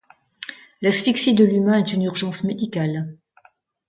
L'asphyxie de l'humain est une urgence médicale.